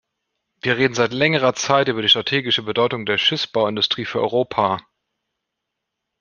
Wir reden seit längerer Zeit über die strategische Bedeutung der Schiffsbauindustrie für Europa.